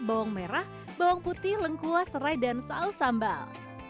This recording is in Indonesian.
bawang merah bawang putih lengkuas serai dan saus sambal